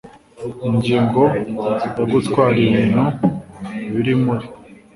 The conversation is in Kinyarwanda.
Ingingo ya Gutwara ibintu biri muri